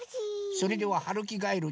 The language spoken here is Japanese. それでははるきがえるどうぞ。